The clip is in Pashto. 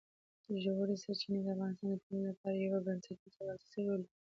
ژورې سرچینې د افغانستان د ټولنې لپاره یو بنسټیز او اساسي رول لري.